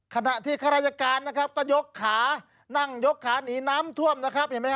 ขณะที่ข้าราชการนะครับก็ยกขานั่งยกขาหนีน้ำท่วมนะครับเห็นไหมฮ